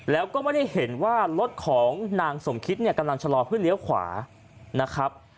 แล้วก็ไม่ได้เห็นว่ารถของนางสมคิดเนี่ยกำลังชะลอเพื่อเลี้ยวขวานะครับ